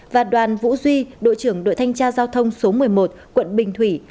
và đoàn vũ duy đội trưởng đội thanh tra giao thông số một mươi một quận bình thủy